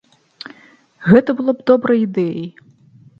Гэта было б добрай ідэяй.